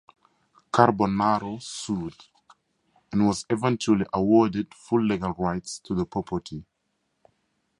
Carbonaro sued, and was eventually awarded full legal rights to the property.